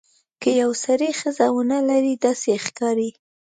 که یو سړی ښځه ونه لري داسې ښکاري.